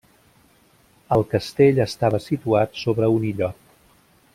El castell estava situat sobre un illot.